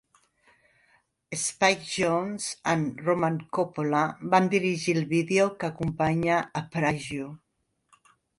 Spike Jonze amb Roman Coppola van dirigir el vídeo que acompanya a "Praise You".